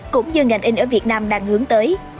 cũng như ngành in ở việt nam đang hướng tới